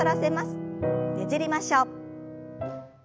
ねじりましょう。